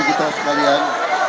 bagi kita sekalian